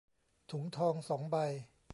ถุงทอง สอง ใบ